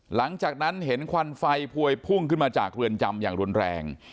หลังจากนั้นเห็นควันไฟพวยพุ่งขึ้นมาจากเรือนจำอย่างรุนแรง